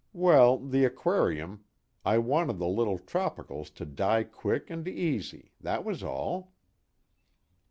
Well, the aquarium I wanted the little tropicals to die quick and easy, that was all."